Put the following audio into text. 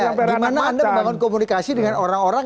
gimana anda membangun komunikasi dengan orang orang